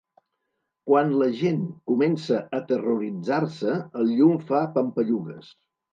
Quan la gent comença a terroritzar-se, el llum fa pampallugues.